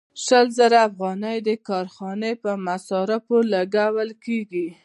شل زره افغانۍ د کارخانې په مصارفو لګول کېږي